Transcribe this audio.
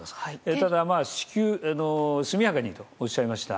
ただ至急、速やかにとおっしゃいました。